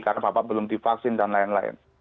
karena bapak belum divaksin dan lain lain